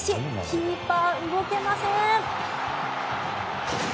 キーパー、動けません。